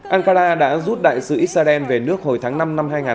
ankara đã rút đại sứ israel về nước hồi tháng năm năm hai nghìn một mươi tám